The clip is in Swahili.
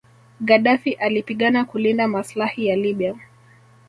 Gadaffi alipigana kulinda maslahi ya Libya